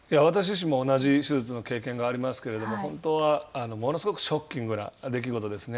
私自身も、同じ手術の経験がありますけれども、本当はものすごくショッキングな出来事ですね。